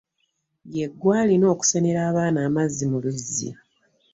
Ye gwe alina okusenera abaana amazzi mu luzzi.